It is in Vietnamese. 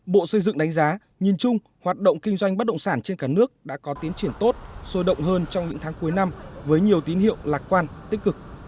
bộ xây dựng đánh giá nhìn chung hoạt động kinh doanh bất động sản trên cả nước đã có tiến triển tốt sôi động hơn trong những tháng cuối năm với nhiều tín hiệu lạc quan tích cực